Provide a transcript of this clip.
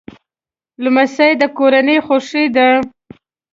لمسی د کورنۍ خوښي ده.